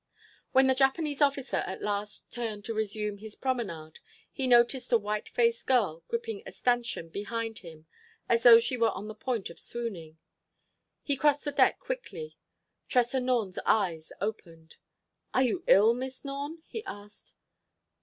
When the Japanese officer at last turned to resume his promenade, he noticed a white faced girl gripping a stanchion behind him as though she were on the point of swooning. He crossed the deck quickly. Tressa Norne's eyes opened. "Are you ill, Miss Norne?" he asked.